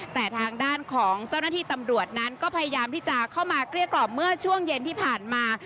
แต่ทางด้านของเจ้าหน้าที่ตำรวจนั้นก็พยายามที่จะเข้ามาเกลี้ยกล่อมเมื่อช่วงเย็นที่ผ่านมา